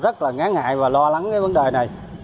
rất là ngán ngại và lo lắng cái vấn đề này